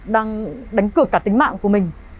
đang đánh cực cả tính mạng của mình